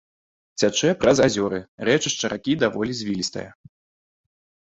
Цячэ праз азёры, рэчышча ракі даволі звілістае.